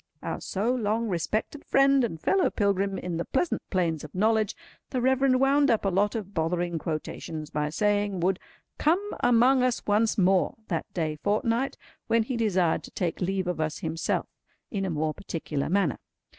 Our so long respected friend and fellow pilgrim in the pleasant plains of knowledge, the Reverend wound up a lot of bothering quotations by saying, would "come among us once more" that day fortnight, when he desired to take leave of us himself, in a more particular manner.